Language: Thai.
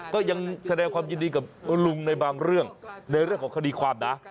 ก็ยังแสดงความยินดีกับลุงในบางเรื่องในเรื่องของคดีความนะ